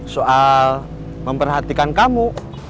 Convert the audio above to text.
soal memperhatikan kamu